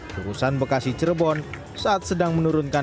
kursan bekasi cerebon saat sedang menurunkan